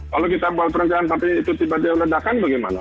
kalau kita bawa perencanaan tapi itu tiba tiba ledakan bagaimana